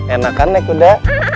enakan naik kuda